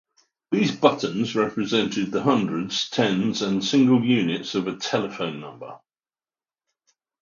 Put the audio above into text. These buttons represented the hundreds, tens, and single units of a telephone number.